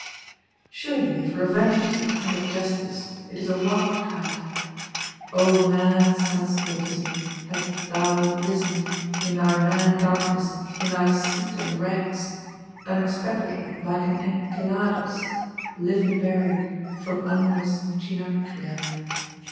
Surely if Revenge is a "kind of Justice," it is a "wild" kind! O mad Sansculottism hast thou risen, in thy mad darkness, in thy soot and rags; unexpectedly, like an Enceladus, living buried, from under his Trinacria?